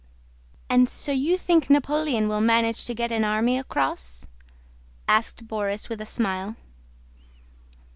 "And so you think Napoleon will manage to get an army across?" asked Borís with a smile.